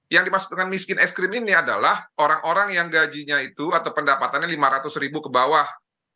yang dimaksud dengan miskin es krim ini adalah orang orang yang gajinya itu atau pendapatannya lima ratus ribu ke bawah